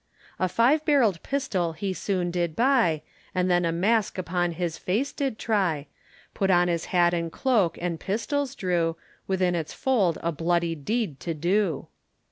A five barrelled pistol he soon did buy, And then a mask upon his face did try, Put on his hat and cloak and pistols drew, Within its fold a bloody deed to do.